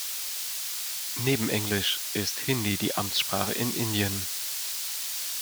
Neben Englisch ist Hindi die Amtssprache in Indien.